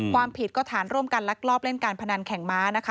ความผิดก็ฐานร่วมกันลักลอบเล่นการพนันแข่งม้านะคะ